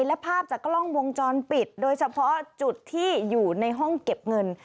และภาพจากกล้องวงจรปิดโดยเฉพาะจุดที่อยู่ในห้องเก็บเงิน